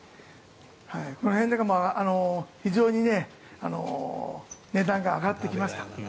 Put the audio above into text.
この辺とか非常に値段が上がってきました。